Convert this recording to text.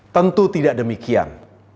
tentu tidak demikian